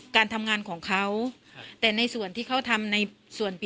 กินโทษส่องแล้วอย่างนี้ก็ได้